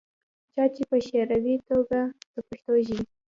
چا چې پۀ شعوري توګه دَپښتو ژبې